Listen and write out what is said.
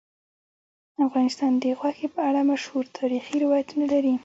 افغانستان د غوښې په اړه مشهور تاریخی روایتونه لري.